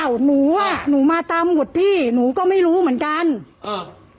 หนูอ่ะหนูมาตามหุดพี่หนูก็ไม่รู้เหมือนกันอ่า